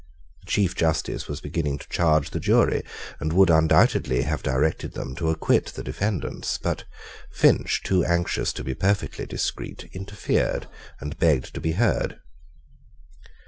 The Chief justice was beginning to charge the jury, and would undoubtedly have directed them to acquit the defendants; but Finch, too anxious to be perfectly discreet, interfered, and begged to be heard.